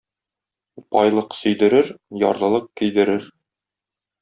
Байлык сөйдерер, ярлылык көйдерер.